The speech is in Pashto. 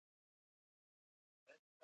قلندر ماجراجو و.